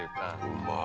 うまい。